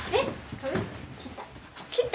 髪切った。